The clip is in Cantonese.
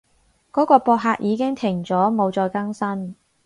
嗰個博客已經停咗，冇再更新